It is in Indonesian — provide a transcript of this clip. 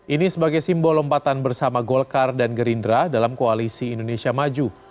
ini sebagai simbol lompatan bersama golkar dan gerindra dalam koalisi indonesia maju